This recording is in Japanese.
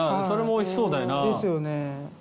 それもおいしそうだよな。ですよね。